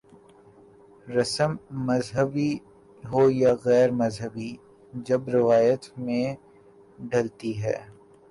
رسم مذہبی ہو یا غیر مذہبی جب روایت میں ڈھلتی ہے۔